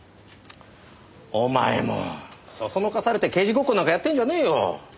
お前もそそのかされて刑事ごっこなんかやってんじゃねえよ。